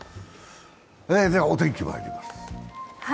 では、お天気まいります。